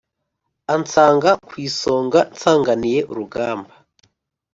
ansanga ku isonga nsanganiye urugamba.